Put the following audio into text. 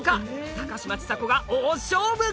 高嶋ちさ子が大勝負！